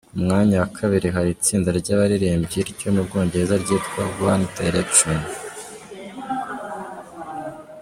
Ku mwanya wa kabiri hari itsinda ry’Abaririmbyi ryo mu Bwongereza ryitwa “One Direction”.